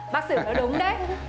bác xử nó đúng đấy